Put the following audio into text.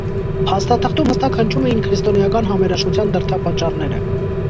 Փաստաթղթում հստակ հնչում էին քրիստոնեական համերաշխության դրդապատճառները։